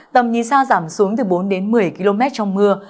tầm nhìn xa giảm xuống từ bốn đến một mươi km trong mưa